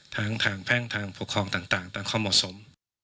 ทางแพ่งทางปกครองต่างตามข้อเหมาะสม